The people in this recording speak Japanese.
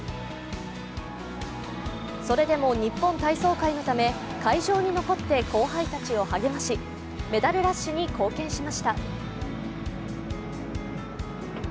それでもニッポン体操界のため会場に残って後輩たちを励ましメダルラッシュに貢献しました。